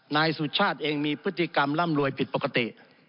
นายสุชาติเองมีพฤติกรรมร่ำรวยผิดปกติ